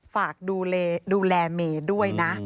ฝากดูแลดูแลเมย์ด้วยนะ